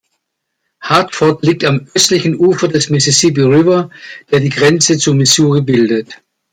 Hartford liegt am östlichen Ufer des Mississippi River, der die Grenze zu Missouri bildet.